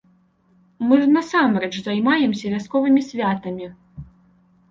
Мы ж, насамрэч, займаемся вясковымі святамі!